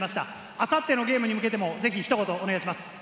あさってのゲームに向けても、ひと言お願いします。